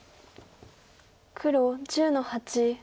黒１０の八。